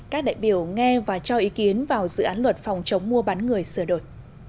các đại biểu nghe và cho ý kiến vào dự án luật phòng chống mua bán người sửa đổi